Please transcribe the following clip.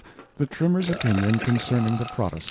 The Trimmer's Opinion concerning the Papists.